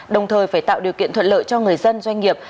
đồng thời phải tạo điều kiện thuận lợi cho người dân doanh nghiệp